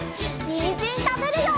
にんじんたべるよ！